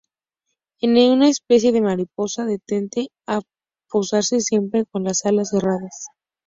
Es una especie de mariposa tendente a posarse siempre con las alas cerradas.